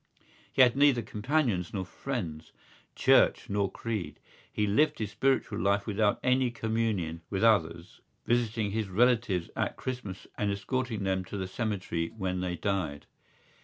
He had neither companions nor friends, church nor creed. He lived his spiritual life without any communion with others, visiting his relatives at Christmas and escorting them to the cemetery when they died.